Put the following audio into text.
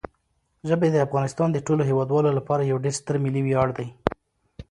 ژبې د افغانستان د ټولو هیوادوالو لپاره یو ډېر ستر ملي ویاړ دی.